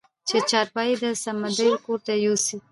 چې چارپايي د صمدو کورته يوسې؟